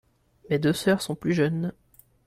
Mes deux sœurs sont plus jeunes.